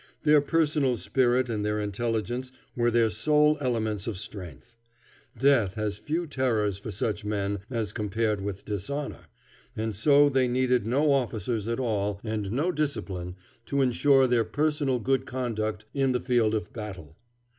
Their personal spirit and their intelligence were their sole elements of strength. Death has few terrors for such men, as compared with dishonor, and so they needed no officers at all, and no discipline, to insure their personal good conduct on the field of battle.